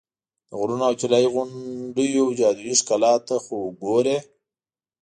د غرونو او طلایي غونډیو جادویي ښکلا ته خو ګورې.